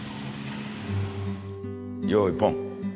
よいポン。